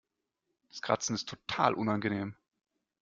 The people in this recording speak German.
Das Kratzen ist total unangenehm.